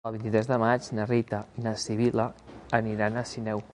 El vint-i-tres de maig na Rita i na Sibil·la aniran a Sineu.